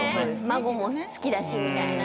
「孫も好きだし」みたいな。